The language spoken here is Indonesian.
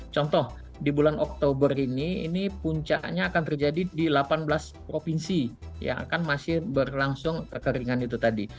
contoh di bulan oktober ini ini puncaknya akan terjadi di delapan belas provinsi yang akan masih berlangsung kekeringan itu tadi